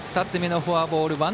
２つ目のフォアボール。